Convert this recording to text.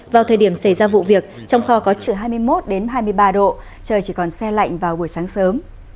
vào thời điểm xảy ra vụ việc trong kho có chữ hai mươi một đến hai mươi ba độ trời chỉ còn xe lạnh vào buổi sáng sớm